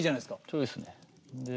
そうですね。